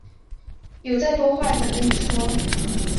有再多话想跟说